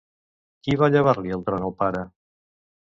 Qui va llevar-li el tron al pare?